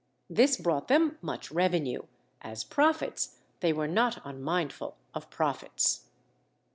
This brought them much revenue; as prophets they were not unmindful of profits.